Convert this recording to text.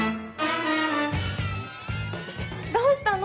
どうしたの？